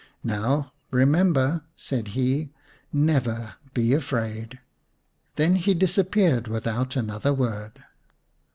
" Now remember," said he, " never be afraid." Then he disappeared without another word.